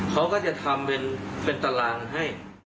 เขาก็จะทำเป็นตารางให้